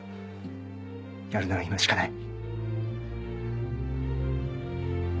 やるなら今しかない。